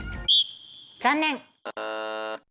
残念！